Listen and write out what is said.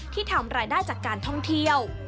ทำรายได้จากการท่องเที่ยว